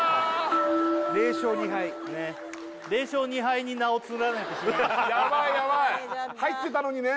ねっ０勝２敗に名を連ねてしまいましたヤバいヤバい入ってたのにね